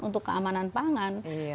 untuk keamanan pangan